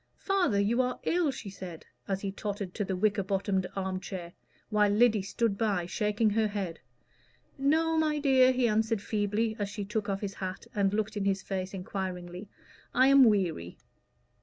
"Father, you are ill," she said, as he tottered to the wicker bottomed arm chair, while Lyddy stood by, shaking her head. "No, my dear," he answered feebly, as she took off his hat and looked in his face enquiringly; "I am weary."